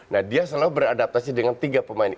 nah dia selalu beradaptasi dengan tiga pemain